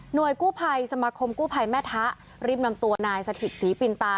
โดยกู้ภัยสมาคมกู้ภัยแม่ทะรีบนำตัวนายสถิตศรีปินตา